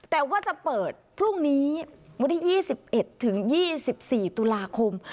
แต่ว่าจะเปิดพรุ่งนี้วันที่๒๑ถึง๒๔ตุลาคม